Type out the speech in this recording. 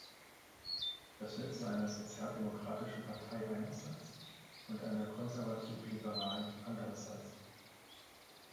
Das nütze einer sozialdemokratischen Partei einerseits und einer konservativ-liberalen andererseits.